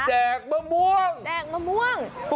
แจกมะม่วง